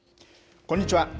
こんにちは。